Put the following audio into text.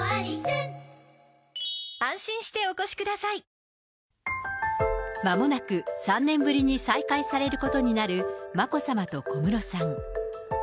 近年、まもなく、３年ぶりに再会されることになる眞子さまと小室さん。